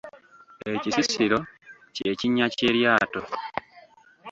Ekisisiro ky'ekinnya ky’eryato.